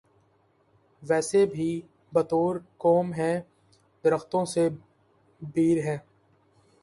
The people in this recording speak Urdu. ویسے بھی بطور قوم ہمیں درختوں سے بیر ہے۔